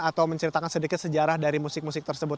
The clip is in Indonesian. atau menceritakan sedikit sejarah dari musik musik tersebut